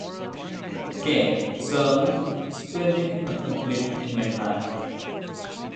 It came suddenly, splendid and complete in my mind.